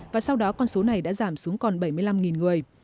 và sau đó con số này đã giảm xuống còn bảy mươi năm người